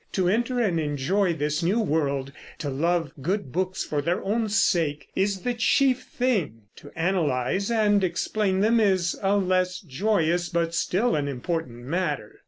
To enter and enjoy this new world, to love good books for their own sake, is the chief thing; to analyze and explain them is a less joyous but still an important matter.